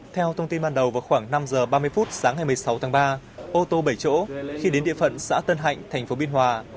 theo thông tin ban đầu vào khoảng năm giờ ba mươi phút sáng ngày một mươi sáu tháng ba ô tô bảy chỗ khi đến địa phận xã tân hạnh thành phố biên hòa